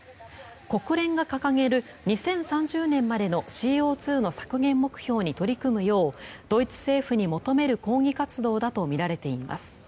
国連が掲げる２０３０年までのＣＯ２の削減目標に取り組むようドイツ政府に求める抗議活動だとみられています。